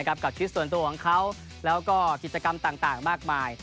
กับชีวิตส่วนตัวของเขาแล้วก็กิจกรรมต่างมากมาย